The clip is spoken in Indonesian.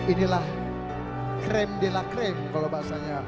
inilah creme de la creme kalau bahasanya